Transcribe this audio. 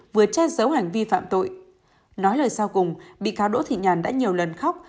vừa che giấu hành vi phạm tội nói lời sau cùng bị cáo đỗ thị nhàn đã nhiều lần khóc